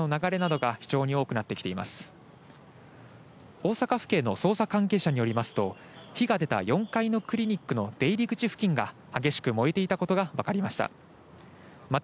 大阪府警の捜査関係者によりますと、火が出た４階のクリニックの出入り口付近が、激しく燃えていたことが分かりました。